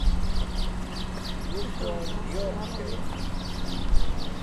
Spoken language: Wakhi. wuz bor dyor pishew'em